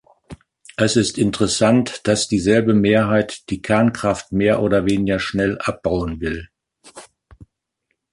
Es ist interessant, dass dieselbe Mehrheit die Kernkraft mehr oder weniger schnell abbauen will.